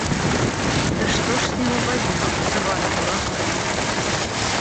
Да что ж с него возьмёшь, с Ивана Дурака-то?